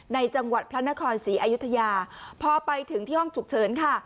จังหวัดพระนครศรีอยุธยาพอไปถึงที่ห้องฉุกเฉินค่ะ